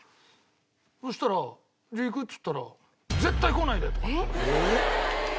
そしたら「じゃあ行く」って言ったら「絶対来ないで！」とかって。えっ！？